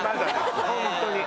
本当に。